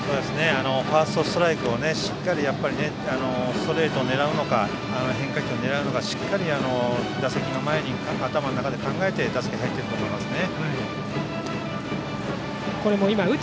ファーストストライクをしっかりストレートを狙うのか変化球を狙うかしっかり打席の前に頭の中で考えて打席に入っていると思いますね。